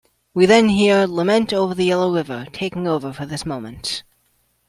We then hear the "Lament at the Yellow River" taking over for this movement.